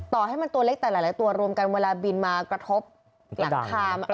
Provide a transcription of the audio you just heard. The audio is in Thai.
ต่อให้มันตัวเล็กแต่หลายตัวรวมกันเวลาบินมากระทบหลังคา